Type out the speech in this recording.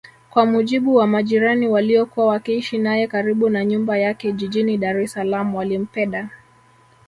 Kwa mujibu wa majirani waliokuwa wakiishi naye karibu na nyumba yake jijini DaresSalaam walimpeda